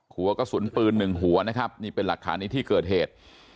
หัวกระสุนปืนหนึ่งหัวนะครับนี่เป็นหลักฐานในที่เกิดเหตุ